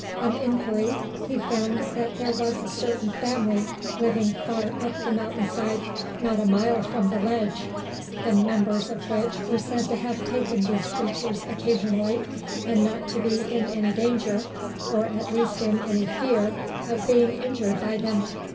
On inquiry, he found that there was a certain family living far up the mountainside, not a mile from the ledge, the members of which were said to have taken these creatures occasionally, and not to be in any danger, or at least in any fear, of being injured by them.